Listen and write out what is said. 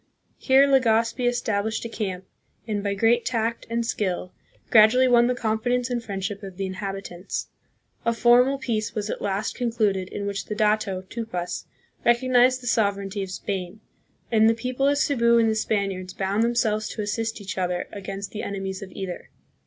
Here Legazpi established a camp, and, by great tact and skill, gradually won the confidence and friend ship of the inhabitants. A formal peace was at last concluded in which the dato, Tupas, recognized the sover eignty of Spain ; and the people of Cebu and the Spaniards bound themselves to assist each other against the enemies of either.